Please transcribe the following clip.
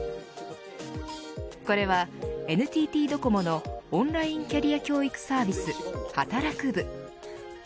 これは、ＮＴＴドコモのオンラインキャリア教育サービスはたらく部。